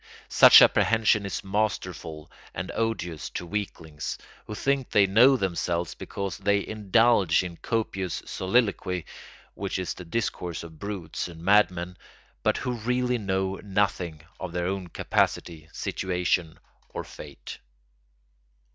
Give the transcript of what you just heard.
Such apprehension is masterful and odious to weaklings, who think they know themselves because they indulge in copious soliloquy (which is the discourse of brutes and madmen), but who really know nothing of their own capacity, situation, or fate.